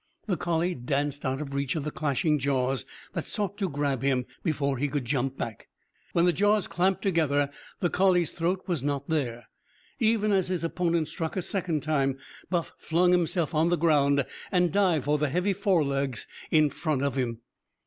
The collie danced out of reach of the clashing jaws that sought to grab him before he could jump back. When the jaws clamped together the collie's throat was not there. Even as his opponent struck a second time Buff flung himself on the ground and dived for the heavy forelegs in front of him.